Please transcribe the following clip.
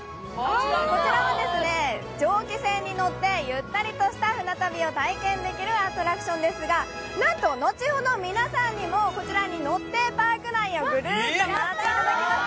こちらは蒸気船に乗ってゆったりとした船旅を体験できるアトラクションですがアトラクションですが、なんと、後ほど皆さんにもこちらに乗って、パーク内をぐるっと回ってもらいます。